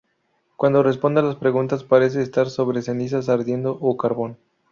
Cuando responde a las preguntas parece estar sobre cenizas ardiendo o carbón.